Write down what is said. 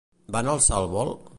Van alçar el vol?